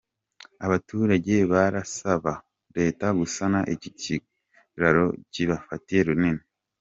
Abaturage barasaba Leta gusana iki kiraro kibafatiye runini.